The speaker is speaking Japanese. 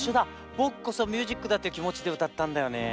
ぼくこそミュージックだっていうきもちでうたったんだよねえ。